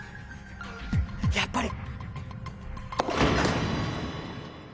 やっぱり。